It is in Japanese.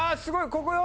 ここよ！